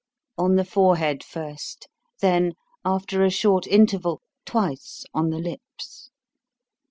On the forehead first, then, after a short interval, twice on the lips.